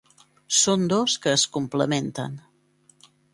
Són dos que es complementen.